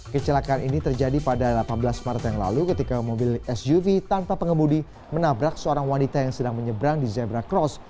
kecelakaan ini terjadi pada delapan belas maret yang lalu ketika mobil suv tanpa pengemudi menabrak seorang wanita yang sedang menyeberang di zebra cross